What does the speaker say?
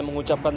pergi ke sana